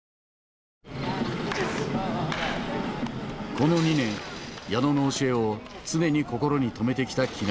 この２年矢野の教えを常に心に留めてきた木浪。